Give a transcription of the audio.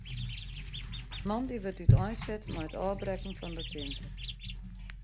Moandei wurdt úteinset mei it ôfbrekken fan de tinte.